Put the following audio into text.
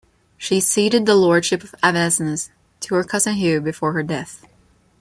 She ceded the lordship of Avesnes to her cousin Hugh before her death.